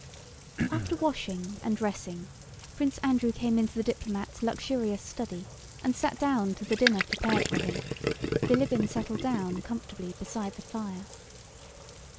After washing and dressing, Prince Andrew came into the diplomat's luxurious study and sat down to the dinner prepared for him. Bilíbin settled down comfortably beside the fire.